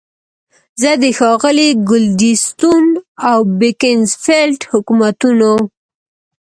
زه د ښاغلي ګلیډستون او بیکنزفیلډ حکومتونو.